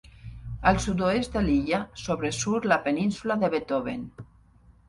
Al sud-oest de l'illa sobresurt la península de Beethoven.